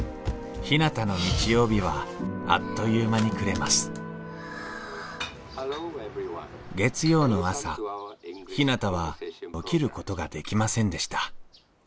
ひなたの日曜日はあっという間に暮れます月曜の朝ひなたは起きることができませんでした。